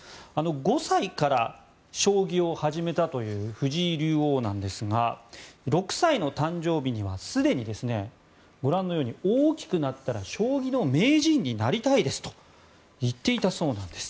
５歳から将棋を始めたという藤井竜王なんですが６歳の誕生日にはすでにご覧のように大きくなったら将棋の名人になりたいですと言っていたそうなんです。